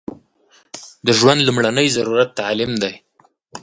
د ژوند لمړنۍ ضرورت تعلیم دی